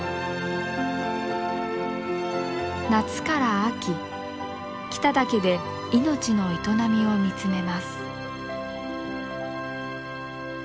夏から秋北岳で命の営みを見つめます。